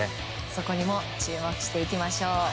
そこにも注目していきましょう。